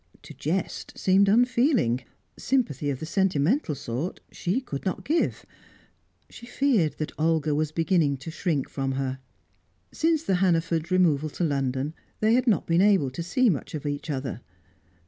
To jest seemed unfeeling; sympathy of the sentimental sort she could not give. She feared that Olga was beginning to shrink from her. Since the Hannaford's removal to London, they had not been able to see much of each other.